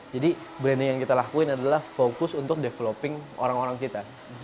jadi branding yang kita lakuin adalah fokus untuk developing orang orang kita